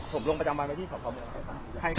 ไปตรวจตอบไปตรวจเท็กว่าจิตเท็กเป็นไงครับครับ